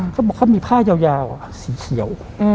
เขามีผ้ายาวสีเขียว